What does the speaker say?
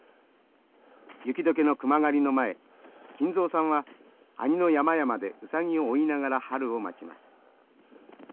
雪解けの熊狩りの前金蔵さんは阿仁の山々でウサギを追いながら春を待ちます。